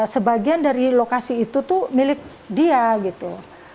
sebagian dari lokasi itu tuh milik dia gitu